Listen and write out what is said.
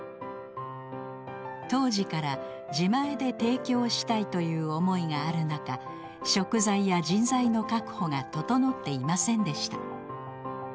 当時から自前で提供したいという思いがある中食材や人材の確保が整っていませんでした。